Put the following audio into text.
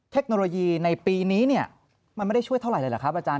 เทคโนโลยีในปีนี้เนี่ยมันไม่ได้ช่วยเท่าไหรเลยเหรอครับอาจารย